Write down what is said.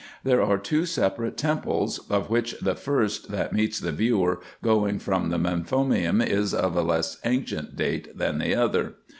There are two separate temples, of which the first that meets the view going from the Mem nonium is of a less ancient date than the other.